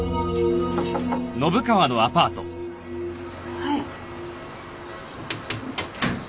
はい。